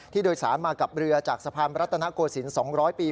โดยสารมากับเรือจากสะพานรัตนโกศิลป์๒๐๐ปี